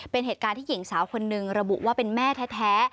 เป็นเหตุการณ์ที่หญิงสาวคนหนึ่งระบุว่าเป็นแม่แท้